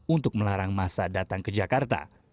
untuk melarang masa datang ke jakarta